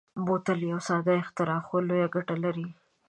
بوتل یو ساده اختراع خو لویه ګټه لري.